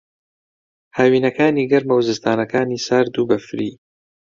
ھاوینەکانی گەرمە و زستانانەکانی سارد و بەفری